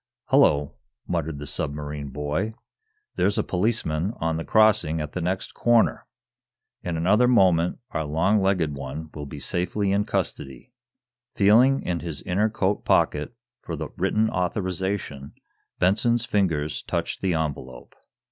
"Hullo," muttered the submarine boy. "There's a policeman on the crossing at the next corner. In another moment our long legged one will be safely in custody." Feeling in his inner coat pocket for the written authorization, Benson's fingers touched the envelope.